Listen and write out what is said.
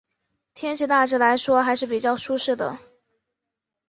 天气大致来说还是比较舒适的。